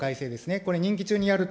これ、任期中にやると。